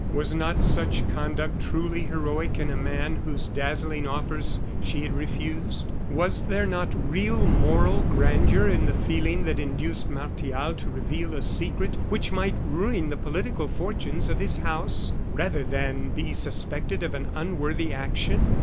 Was not such conduct truly heroic in a man whose dazzling offers she had refused? Was there not real moral grandeur in the feeling that induced Martial to reveal a secret which might ruin the political fortunes of his house, rather than be suspected of an unworthy action?